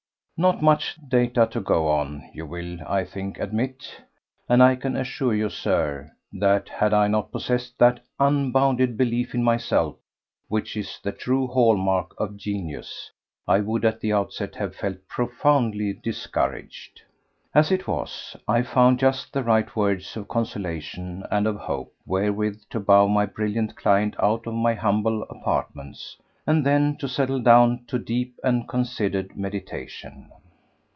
2. Not much data to go on, you will, I think, admit, and I can assure you, Sir, that had I not possessed that unbounded belief in myself which is the true hall mark of genius, I would at the outset have felt profoundly discouraged. As it was, I found just the right words of consolation and of hope wherewith to bow my brilliant client out of my humble apartments, and then to settle down to deep and considered meditation.